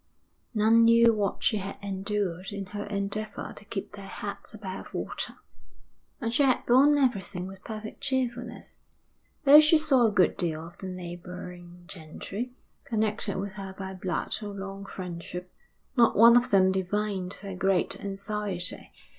None knew what she had endured in her endeavour to keep their heads above water. And she had borne everything with perfect cheerfulness. Though she saw a good deal of the neighbouring gentry, connected with her by blood or long friendship, not one of them divined her great anxiety.